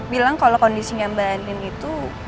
bilang kalau kondisinya mbak anin itu